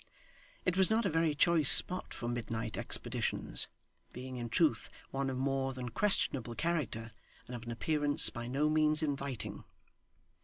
It was not a very choice spot for midnight expeditions, being in truth one of more than questionable character, and of an appearance by no means inviting.